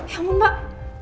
ya ampun pak